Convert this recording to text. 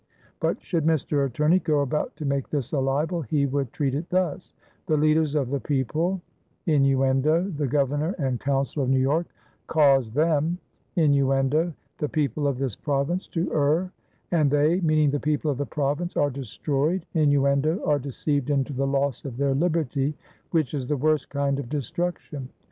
But should Mr. Attorney go about to make this a libel, he would treat it thus: "The leaders of the people (innuendo, the governor and council of New York) cause them (innuendo, the people of this province) to err, and they (meaning the people of the province) are destroyed (innuendo, are deceived into the loss of their liberty)," which is the worst kind of destruction.